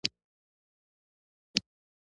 دښمن له عقل نه نه، له حسد نه مشوره اخلي